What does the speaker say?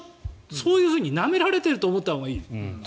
そういうふうになめられてると思ったほうがいい。